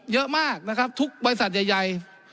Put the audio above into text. เยอะมากนะครับทุกบริษัทใหญ่